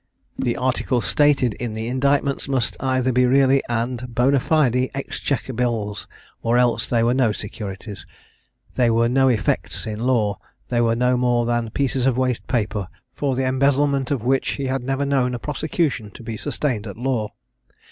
The articles stated in the indictments must either be really and bonâ fide exchequer bills, or else they were no securities; they were no effects in law; they were no more than pieces of waste paper, for the embezzlement of which he had never known a prosecution to be sustained at law.